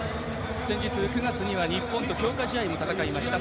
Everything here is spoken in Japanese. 先日９月には日本と強化試合も戦いました。